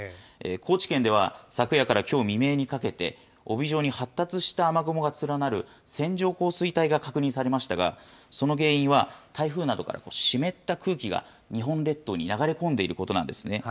高知県では、昨夜からきょう未明にかけて、帯状に発達した雨雲が連なる線状降水帯が確認されましたが、その原因は、台風などからの湿った空気が日本列島に流れ込んでいることなんですね。